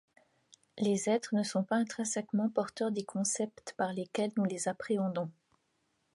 Les êtres ne sont pas intrinsèquement porteurs des concepts par lesquels nous les appréhendons.